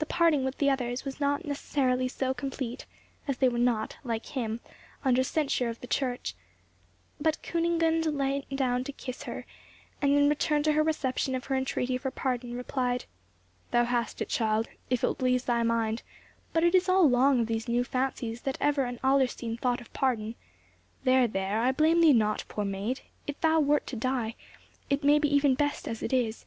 The parting with the others was not necessarily so complete, as they were not, like him, under censure of the Church; but Kunigunde leant down to kiss her; and, in return to her repetition of her entreaty for pardon, replied, "Thou hast it, child, if it will ease thy mind; but it is all along of these new fancies that ever an Adlerstein thought of pardon. There, there, I blame thee not, poor maid; it thou wert to die, it may be even best as it is.